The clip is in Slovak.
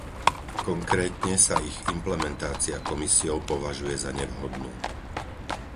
Konkrétne sa ich implementácia Komisiou považuje za nevhodnú.